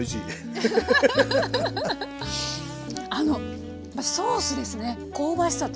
あのソースですね香ばしさと。